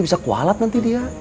bisa kualat nanti dia